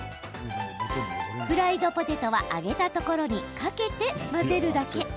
フライドポテトは揚げたところにかけて混ぜるだけ。